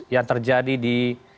yang terjadi di